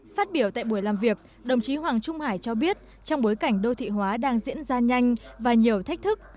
phát biểu tại buổi làm việc đồng chí hoàng trung hải cho biết trong bối cảnh đô thị hóa đang diễn ra nhanh và nhiều thách thức